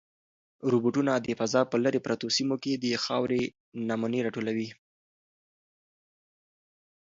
روبوټونه د فضا په لیرې پرتو سیمو کې د خاورې نمونې راټولوي.